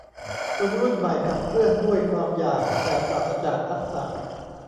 คนรุ่นใหม่ขับเคลื่อนด้วยความอยาก แต่ปราศจากทักษะ